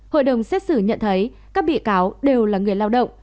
hội đồng xét xử nhận thấy các bị cáo đều là người lao động